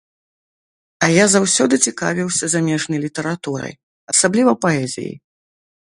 А я заўсёды цікавіўся замежнай літаратурай, асабліва паэзіяй.